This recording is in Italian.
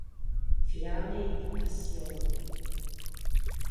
Fiamme di passione